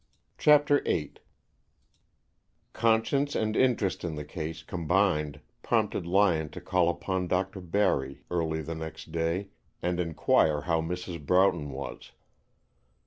CHAPTER VIII Conscience and interest in the "case" combined prompted Lyon to call upon Dr. Barry early the next day and inquire how Mrs. Broughton was.